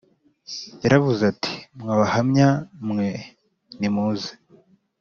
yaravuze ati mwa Bahamya mwe nimuze